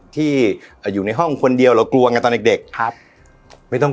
ที่อยู่ในห้องคนเดียวเรากลัวไงตอนเด็กเด็กครับไม่ต้อง